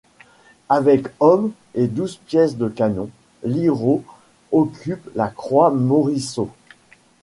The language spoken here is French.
Avec hommes et douze pièces de canon, Lyrot occupe La Croix-Moriceau.